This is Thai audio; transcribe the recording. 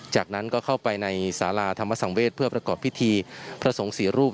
จากนั้นก็เข้าไปในสาราธรรมสังเวศเพื่อประกอบพิธีพระสงฆ์สี่รูป